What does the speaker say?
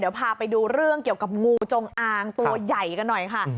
เดี๋ยวพาไปดูเรื่องเกี่ยวกับงูจงอางตัวใหญ่กันหน่อยค่ะ